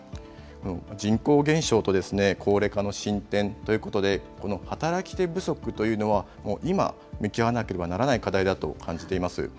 人口減少と高齢化の進展ということで、この働き手不足というのは、もう今、向き合わなければならない課題だと感じています。